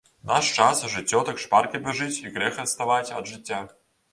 У наш час жыццё так шпарка бяжыць і грэх адставаць ад жыцця.